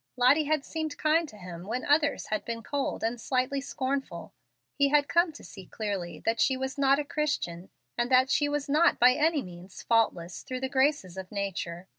Lottie had seemed kind to him when others had been cold and slightly scornful. He had come to see clearly that she was not a Christian, and that she was not by any means faultless through the graces of nature.